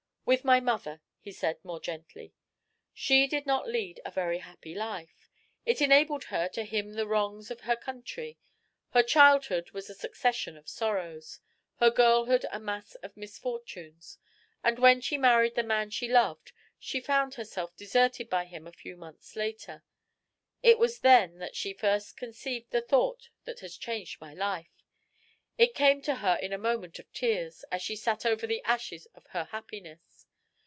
"With my mother," he said more gently. "She did not lead a very happy life it enabled her to hymn the wrongs of her country. Her childhood was a succession of sorrows, her girlhood a mass of misfortunes; and when she married the man she loved, she found herself deserted by him a few months later. It was then that she first conceived the thought that has changed my life. It came to her in a moment of tears, as she sat over the ashes of her happiness.